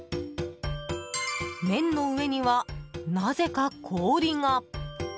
麺の上には、なぜか氷が。